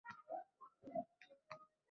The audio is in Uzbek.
Bu dunyodan murod — odam